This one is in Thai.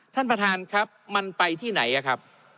ท่านประธานครับมันไปที่ไหนอะครับ